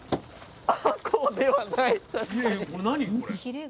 あこうではない確かに。